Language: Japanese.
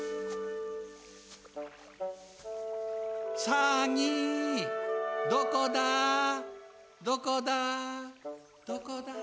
サギどこだどこだどこだ。